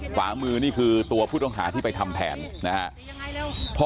ขวามือนี่คือตัวผู้ต้องหาที่ไปทำแผนนะครับ